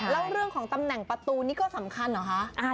แล้วเรื่องของตำแหน่งประตูนี่ก็สำคัญเหรอคะ